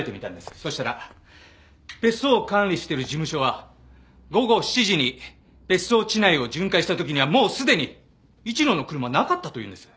そしたら別荘を管理してる事務所は午後７時に別荘地内を巡回した時にはもうすでに市野の車はなかったと言うんです。